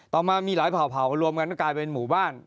ต่อมามีหลายเผ่ารวมกันก็กลายเป็นหมู่บ้าน